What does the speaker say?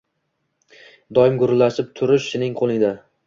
Doim gurillatib turish sening qo'lingda